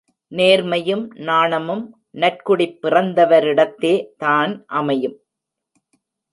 நேர்மையும் நாணமும் நற்குடிப் பிறந்தவரிடத்தே தான் அமையும்.